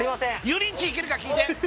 油淋鶏いけるか聞いて！